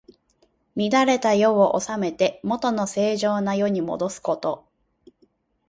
乱れた世を治めて、もとの正常な世にもどすこと。